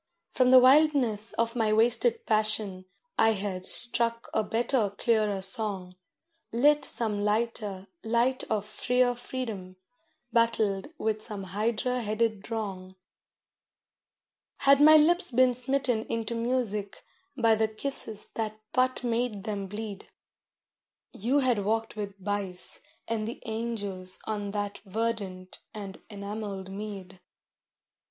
From the wildness of my wasted passion I had struck a better, clearer song, Lit some lighter light of freer freedom, battled with some Hydra headed wrong. Had my lips been smitten into music by the kisses that but made them bleed, You had walked with Bice and the angels on that verdant and enamelled mead.